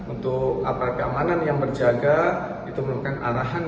untuk aparat keamanan yang berjaga itu melakukan arahan